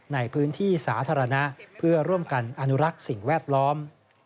ในพื้นที่สาธารณะเพื่อร่วมกันอนุรักษ์สิ่งแวดล้อม